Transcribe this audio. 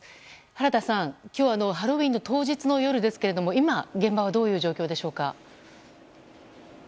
原田さん、今日はハロウィーンの当日の夜ですが今、現場はどういう状況でしょうか。